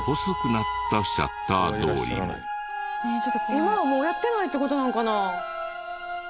今はもうやってないって事なんかな？